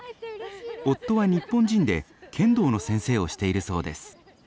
夫は日本人で剣道の先生をしているそうです。